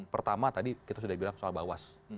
pertama tadi kita sudah bilang soal bawas